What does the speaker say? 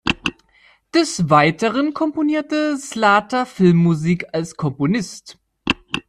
Des Weiteren komponierte Slater Filmmusik als Komponist.